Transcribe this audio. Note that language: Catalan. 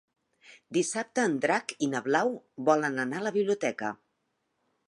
Dissabte en Drac i na Blau volen anar a la biblioteca.